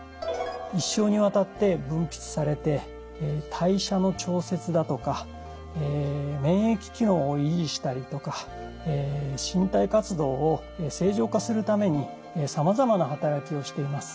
一生にわたって分泌されて代謝の調節だとか免疫機能を維持したりとか身体活動を正常化するためにさまざまな働きをしています。